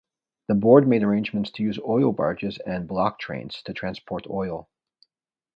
The board made arrangements to use oil barges and ‘block’ trains to transport oil.